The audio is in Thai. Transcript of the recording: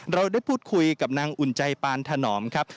เราได้พูดคุยกับนางอุ่นใจปานถนอมครับ